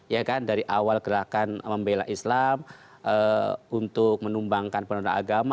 ya kan dari awal gerakan membela islam untuk menumbangkan penodaan agama